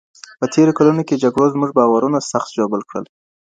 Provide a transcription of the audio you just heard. په تېرو کلونو کي جګړو زموږ باورونه سخت ژوبل کړل.